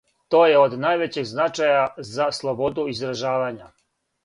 То је од највећег значаја за слободу изражавања.